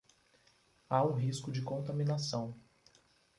Há um risco de contaminação